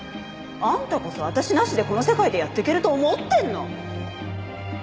あんたこそ私なしでこの世界でやっていけると思ってるの？